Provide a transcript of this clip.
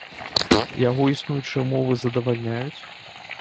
Яго існуючыя ўмовы задавальняюць?